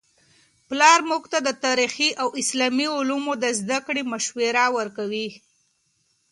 پلار موږ ته د تاریخي او اسلامي علومو د زده کړې مشوره ورکوي.